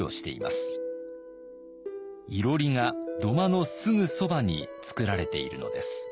いろりが土間のすぐそばにつくられているのです。